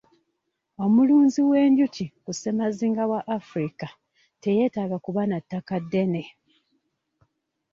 Omulunzi w'enjuki ku ssemazinga w'Africa teyeetaaga kuba na ttaka ddene.